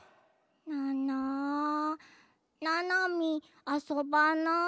ななななみあそばない。